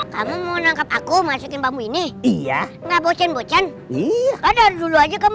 kamu mau nangkap aku masukin kamu ini iya nggak bocen bocen iya pada dulu aja kamu